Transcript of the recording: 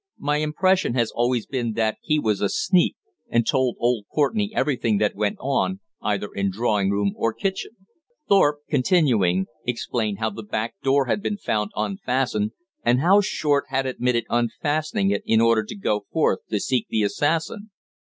"My impression has always been that he was a sneak, and told old Courtenay everything that went on, either in drawing room or kitchen." Thorpe, continuing, explained how the back door had been found unfastened, and how Short had admitted unfastening it in order to go forth to seek the assassin.